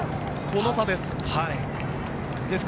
この差です。